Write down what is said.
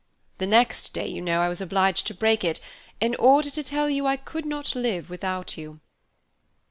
The next day, you know, I was obliged to break it, in order to tell you I could not live without you."